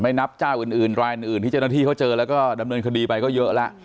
นับเจ้าอื่นรายอื่นที่เจ้าหน้าที่เขาเจอแล้วก็ดำเนินคดีไปก็เยอะแล้ว